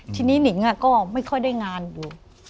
ทีนี้หนิงก็ไม่ค่อยได้งานอยู่